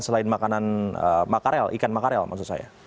selain makanan makarel ikan makarel maksud saya